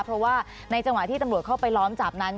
เพราะว่าในจังหวะที่ตำรวจเข้าไปล้อมจับนั้น